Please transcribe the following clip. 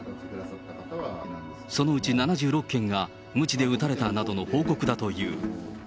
そのうち７６件がむちで打たれたなどの報告だという。